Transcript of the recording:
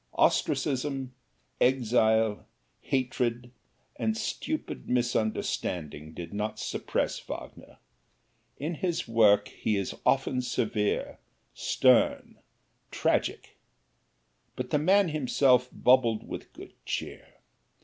Ostracism, exile, hatred, and stupid misunderstanding did not suppress Wagner. In his work he is often severe, stern, tragic, but the man himself bubbled with good cheer.